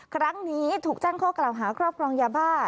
ครั้งนี้ถูกแจ้งข้อกล่าวหาครอบครองยาบ้า